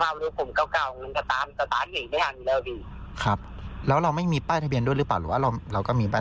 ผมก็ถ่ายไว้เก็บไว้ใต้บ่อเพราะละบอกก็มีป้าทะเบียงก็มีแสดงป้าทะเบียง